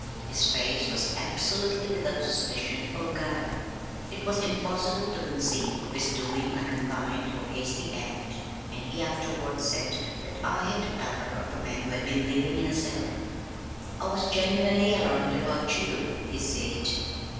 His face was absolutely without suspicion or guile. It was impossible to conceive of his doing an unkind or hasty act, and he afterward said that I had the pallor of a man who had been living in a cellar. "I was genuinely alarmed about you," he said.